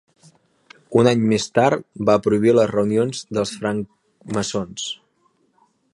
Un any més tard va prohibir les reunions dels francmaçons.